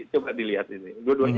coba dilihat ini